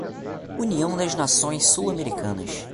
União das Nações Sul-Americanas